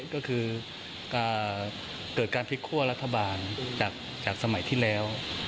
ก็คือเกิดการพลิกคั่วรัฐบาลจากสมัยที่แล้ว